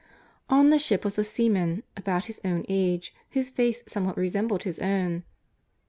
On the ship was a seaman about his own age whose face somewhat resembled his own.